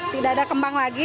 tidak ada kembang lagi